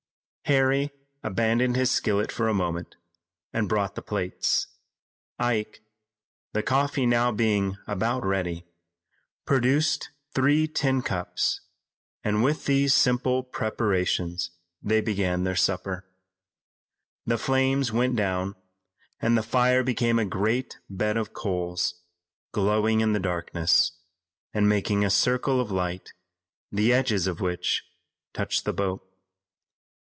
Harry abandoned his skillet for a moment, and brought the plates. Ike, the coffee now being about ready, produced three tin cups, and with these simple preparations they began their supper. The flames went down and the fire became a great bed of coals, glowing in the darkness, and making a circle of light, the edges of which touched the boat.